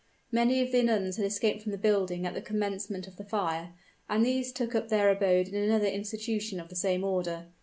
Many of the nuns had escaped from the building at the commencement of the fire; and these took up their abode in another institution of the same order.